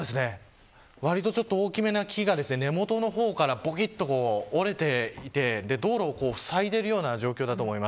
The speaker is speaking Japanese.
割と大きめな木が根元の方からぼきっと折れていて道路をふさいでいる状況です。